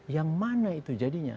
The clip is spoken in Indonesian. yang mana itu jadinya